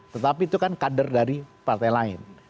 tetapi itu kan kader dari partai lain